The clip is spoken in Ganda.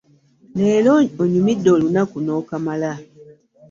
Leero onyumidde olunaku n'okamala!